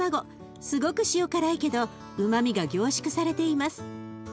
すごく塩辛いけどうまみが凝縮されています。